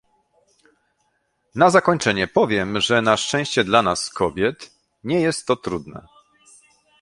Na zakończenie powiem, że na szczęście dla nas, kobiet, nie jest to trudne